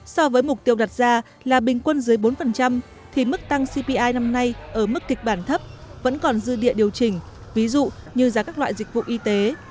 so với mục tiêu đặt ra là bình quân dưới bốn thì mức tăng cpi năm nay ở mức kịch bản thấp vẫn còn dư địa điều chỉnh ví dụ như giá các loại dịch vụ y tế